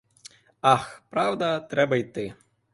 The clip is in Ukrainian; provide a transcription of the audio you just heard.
Ах, правда; треба йти!